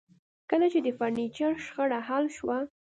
کله چې د فرنیچر شخړه حل شوه